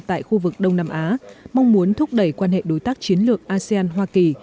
tại khu vực đông nam á mong muốn thúc đẩy quan hệ đối tác chiến lược asean hoa kỳ